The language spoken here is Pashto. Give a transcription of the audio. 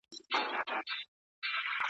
د هغوی به همېشه خاوري په سر وي ,